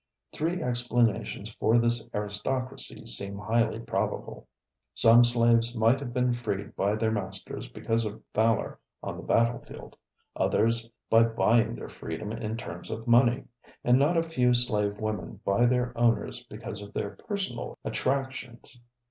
Three explanations for this aristocracy seem highly probable: Some slaves might have been freed by their masters because of valor on the battlefield, others by buying their freedom in terms of money, and not a few slave women by their owners because of their personal attractions.